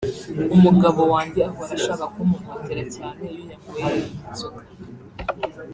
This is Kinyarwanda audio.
“Umugabo wanjye ahora ashaka kumpohotera cyane iyo yanyweye iyi nzoga”